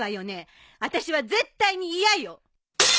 あたしは絶対に嫌よ！